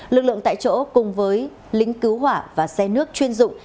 lực lượng tại chỗ cùng với lính cứu hỏa và xe nước chuyên dụng